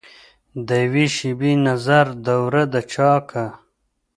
دیوي شیبي نظر دوره دچاکه